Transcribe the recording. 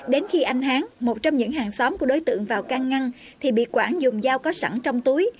đến khi anh hán một trong những hàng xóm của đối tượng vào can ngăn thì bị quảng dùng dao có sẵn trong túi